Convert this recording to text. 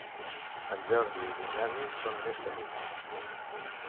En Jordi i l'Ignasi són més que amics.